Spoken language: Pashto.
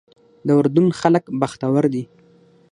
د اردن خلک بختور دي.